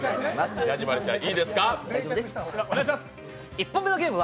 １本目のゲーム